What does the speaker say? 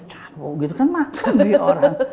cowok gitu kan makan nih orang